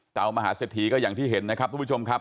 ตามหาเศรษฐีก็อย่างที่เห็นนะครับทุกผู้ชมครับ